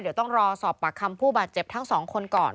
เดี๋ยวต้องรอสอบปากคำผู้บาดเจ็บทั้งสองคนก่อน